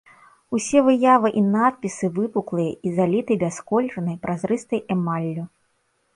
Усе выявы і надпісы выпуклыя і заліты бясколернай, празрыстай эмаллю.